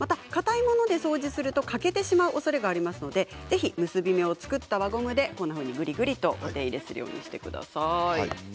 かたいもので掃除すると欠けてしまうおそれがありますので、ぜひ結び目で作った輪ゴムでぐりぐりとお手入れをするようにしてください。